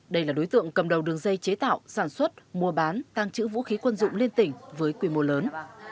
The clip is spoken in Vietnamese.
đây là đối tượng cầm đầu đường dây chế tạo sản xuất mua bán tăng trữ vũ khí quân dụng liên tỉnh với quy mô lớn